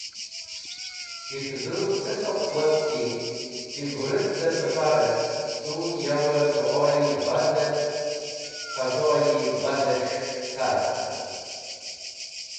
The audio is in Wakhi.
Ti pũzũv ce sokht wost ki ti vũrũt dẽ safar et tu yower du’o-e bad et qazo-e baydes̃h car.